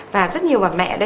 và rất nhiều bà mẹ